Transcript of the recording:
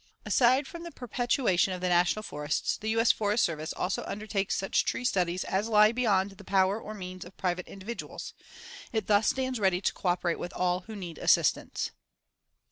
Aside from the perpetuation of the national forests, the U.S. Forest Service also undertakes such tree studies as lie beyond the power or means of private individuals. It thus stands ready to cooperate with all who need assistance.